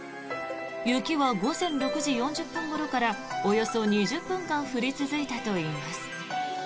雪は午前６時４０分ごろからおよそ２０分間降り続いたといいます。